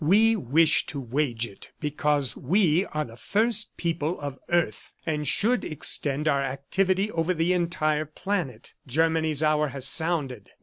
We wish to wage it because we are the first people of the earth and should extend our activity over the entire planet. Germany's hour has sounded.